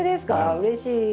うれしい。